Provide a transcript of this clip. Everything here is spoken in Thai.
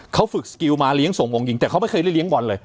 เขาฝึกสกิลมาเลี้ยงส่งวงหญิงแต่เขาไม่เคยได้เลี้ยบอลเลย